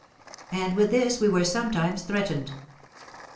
And with this we were sometimes threatened.